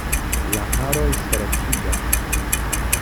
La haroj streĉiĝas.